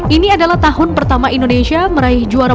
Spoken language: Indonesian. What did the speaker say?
ini adalah tahun pertama indonesia meraih juara